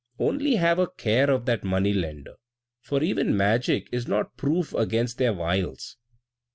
Only have a care of that money lender, for even magic is not proof against their wiles!"